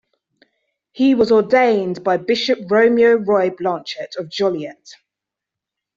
He was ordained by Bishop Romeo Roy Blanchette of Joliet.